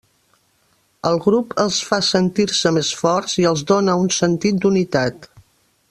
El grup els fa sentir-se més forts i els dóna un sentit d'unitat.